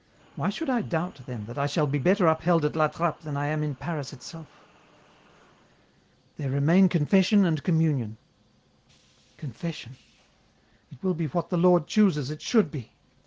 Why should I doubt, then, that I shall be better upheld at La Trappe than I am in Paris itself ?" There remain confession and communion." " Confession ? It will be what the Lord chooses it should be.